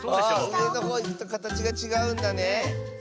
うえのほういくとかたちがちがうんだね。